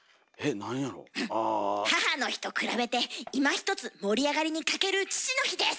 母の日と比べていまひとつ盛り上がりに欠ける父の日です！